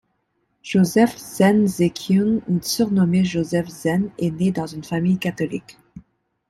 Joseph Zen Ze-kiun, surnommé Joseph Zen, est né dans une famille catholique.